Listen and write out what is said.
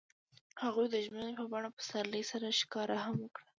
هغوی د ژمنې په بڼه پسرلی سره ښکاره هم کړه.